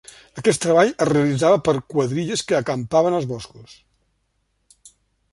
Aquest treball es realitzava per quadrilles que acampaven als boscos.